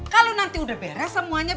kalau nanti udah beres semuanya